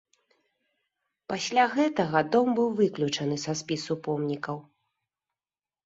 Пасля гэтага дом быў выключаны са спісу помнікаў.